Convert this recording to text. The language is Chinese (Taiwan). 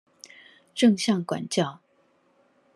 正向管教